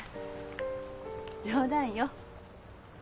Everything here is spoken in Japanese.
冗談よ。